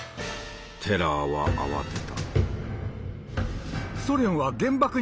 テラーは慌てた。